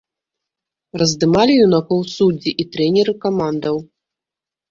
Раздымалі юнакоў суддзі і трэнеры камандаў.